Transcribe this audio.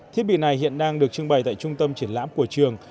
thiết bị này hiện đang được trưng bày tại trung tâm triển lãm của trường